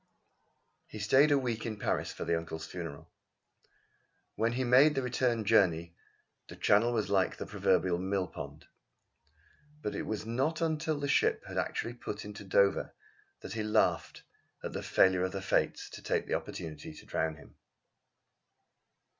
He stayed a week in Paris for his uncle's funeral. When he made the return journey the Channel was like the proverbial mill pond. But it was not until the ship had actually put into Dover that he laughed at the failure of the Fates to take the opportunity to drown him.